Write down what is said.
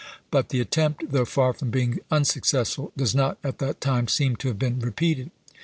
But the attempt, though far from being unsuccessful, does not, at that time, seem to have been repeated.